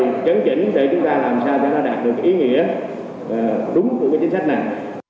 để kiểm chỉnh để chúng ta làm sao cho nó đạt được cái ý nghĩa đúng của cái chính sách này